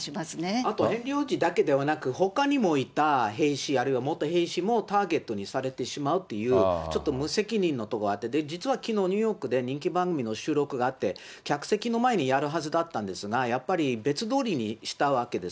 あとヘンリー王子だけではなく、ほかにもいた兵士、あるいは元兵士もターゲットにされてしまうという、ちょっと無責任なところがあって、実はきのう、ニューヨークで人気番組の収録があって、客席の前にやるはずだったんですが、やっぱり別撮りにしたわけです。